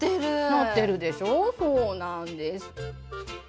なってるでしょそうなんです。